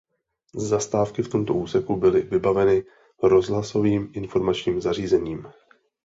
Zastávky v tomto úseku byly vybaveny rozhlasovým informačním zařízením.